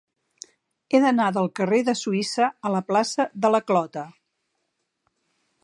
He d'anar del carrer de Suïssa a la plaça de la Clota.